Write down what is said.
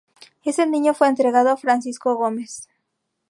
Ese niño fue entregado a Francisco Gómez.